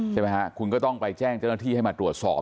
ใช่ไหมฮะคุณก็ต้องไปแจ้งเจ้าหน้าที่ให้มาตรวจสอบ